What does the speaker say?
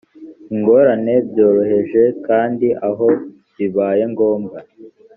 ingorane byoroheje kandi aho bibaye ngombwa